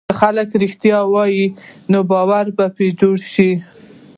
که خلک رښتیا ووایي، نو باور به جوړ شي.